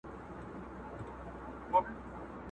پاچهۍ له غوړه مالو پرزېدلي،